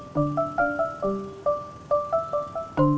perangkat kalau dulu think of the past ya